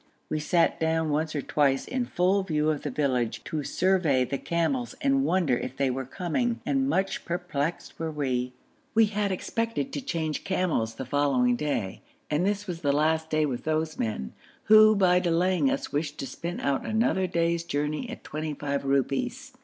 We sat down once or twice in full view of the village, to survey the camels and wonder if they were coming, and much perplexed were we. We had expected to change camels the following day, and this was the last day with those men, who by delaying us wished to spin out another day's journey at twenty five rupees.